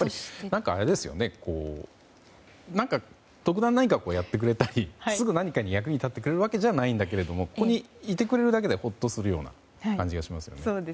特段何かをやってくれたりすぐ何か役に立ってくれるわけじゃないんだけどもここにいてくれるだけでほっとするような感じがしますね。